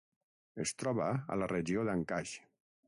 Es troba a la regió d'Ancash.